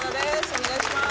お願いします。